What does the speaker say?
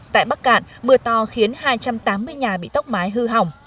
tại bắc cạn mưa to khiến hai trăm tám mươi nhà bị tốc mái hư hỏng